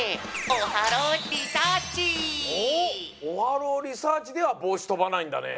オハローリサーチではぼうしとばないんだね。